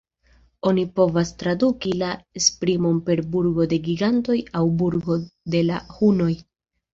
Oni povas traduki la esprimon per "burgo de gigantoj" aŭ "burgo de la hunoj".